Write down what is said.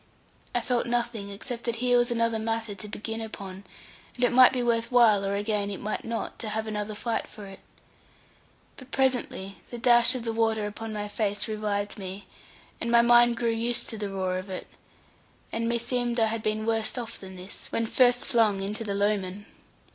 I felt nothing except that here was another matter to begin upon; and it might be worth while, or again it might not, to have another fight for it. But presently the dash of the water upon my face revived me, and my mind grew used to the roar of it, and meseemed I had been worse off than this, when first flung into the Lowman.